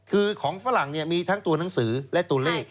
คือของฝรั่งมีทั้งตัวหนังสือและตัวเลข